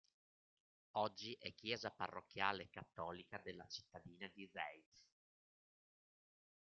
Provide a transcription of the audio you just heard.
Oggi è chiesa parrocchiale cattolica della cittadina di Zeitz.